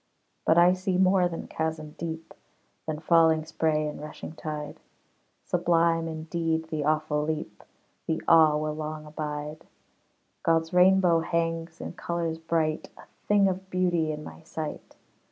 But I see more than chasm deep, Than falling spray and rushing tide. Sublime, indeed, the awful leap; The awe will long abide God's rainbow hangs in colors bright, A thing of beauty in my sight.